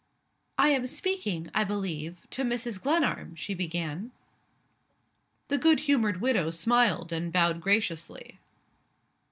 "I am speaking, I believe, to Mrs. Glenarm?" she began. The good humored widow smiled and bowed graciously.